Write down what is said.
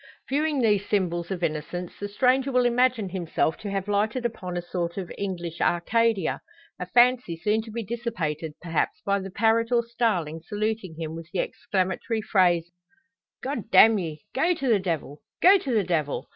Viewing these symbols of innocence, the stranger will imagine himself to have lighted upon a sort of English Arcadia a fancy soon to be dissipated perhaps by the parrot or starling saluting him with the exclamatory phrases, `God damn ye! go to the devil! go to the devil!'